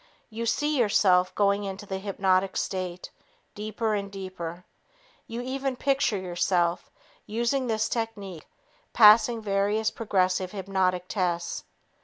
You "see" yourself going into the hypnotic state deeper and deeper. You even picture yourself, using this technique, passing various progressive hypnotic tests.